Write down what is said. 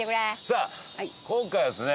さあ今回はですね